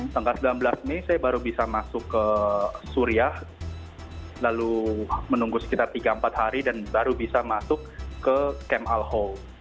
tanggal sembilan belas mei saya baru bisa masuk ke suriah lalu menunggu sekitar tiga empat hari dan baru bisa masuk ke kem al ho